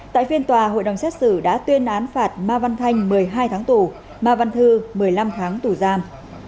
tại phiên tòa hội đồng xét xử đã tuyên án phạt ma văn thanh một mươi hai tháng tù ma văn thư một mươi năm tháng tù giam